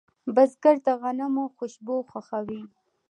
بزګر د غنمو خوشبو خوښوي